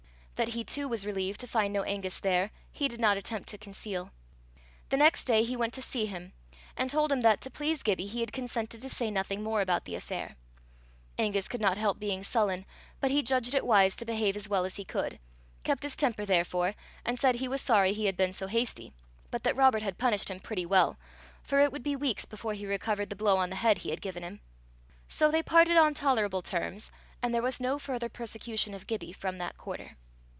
That he too was relieved to find no Angus there, he did not attempt to conceal. The next day he went to see him, and told him that, to please Gibbie, he had consented to say nothing more about the affair. Angus could not help being sullen, but he judged it wise to behave as well as he could, kept his temper therefore, and said he was sorry he had been so hasty, but that Robert had punished him pretty well, for it would be weeks before he recovered the blow on the head he had given him. So they parted on tolerable terms, and there was no further persecution of Gibbie from that quarter.